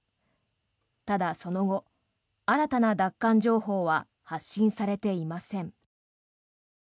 ただ、その後、新たな奪還情報は発信されていません。